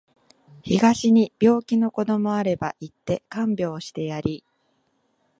東に病気の子どもあれば行って看病してやり